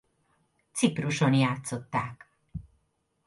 Cipruson játszották.